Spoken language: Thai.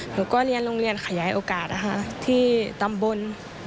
หนูก็เรียนโรงเรียนขยายโอกาสนะคะที่ตำบล